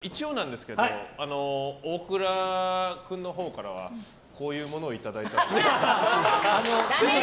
ジローラモさん一応なんですけど大倉君のほうからはこういうものをいただいたんで。